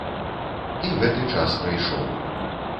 І гэты час прыйшоў.